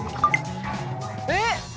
えっ！